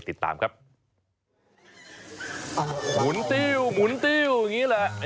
คล้ายกับขนมลานะคะ